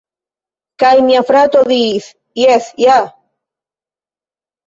Kaj mia frato diris: "Jes ja!"